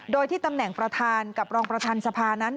โดยที่ตำแหน่งประธานกับรองประธานสภานั้น